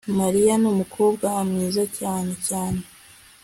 mariya numukobwa mwiza cyane cyane